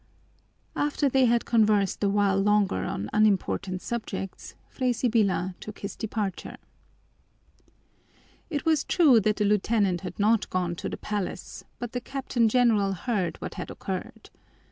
'" After they had conversed a while longer on unimportant subjects, Fray Sibyla took his departure. It was true that the lieutenant had not gone to the Palace, but the Captain General heard what had occurred.